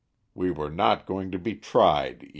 We were not going to be tried even.